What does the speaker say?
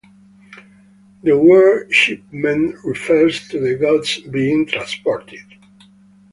The word "shipment" refers to the goods being transported.